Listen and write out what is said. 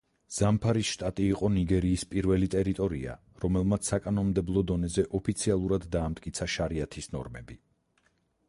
ზამფარის შტატი იყო ნიგერიის პირველი ტერიტორია, რომელმაც საკანონმდებლო დონეზე ოფიციალურად დაამტკიცა შარიათის ნორმები.